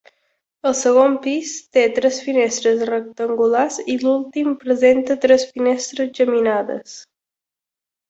El segon pis té tres finestres rectangulars i l'últim presenta tres finestres geminades.